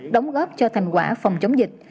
đóng góp cho thành quả phòng chống dịch